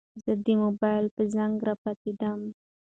زه د موبايل په زنګ راپاڅېدم.